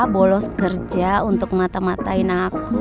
bolos kerja untuk mata matain aku